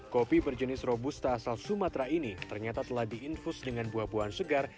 kopi berjenis robusta asal sumatera ini ternyata telah diinfus dengan buah buahan segar